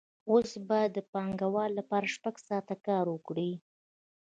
اوس باید د پانګوال لپاره شپږ ساعته کار وکړي